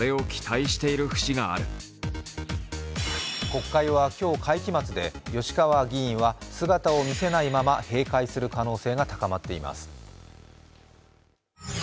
国会は今日会期末で、吉川議員は姿を見せないまま閉会する可能性が高まっています。